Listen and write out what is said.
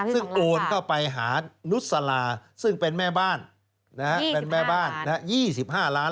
ซึ่งโอนเข้าไปหานุศราซึ่งเป็นแม่บ้าน๒๕ล้าน